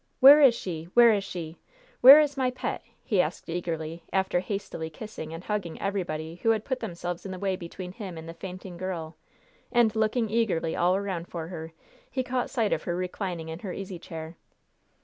Where is she? Where is she! Where is my pet?" he asked eagerly, after hastily kissing and hugging everybody who had put themselves in the way between him and the fainting girl, and looking eagerly all around for her, he caught sight of her reclining in her easy chair.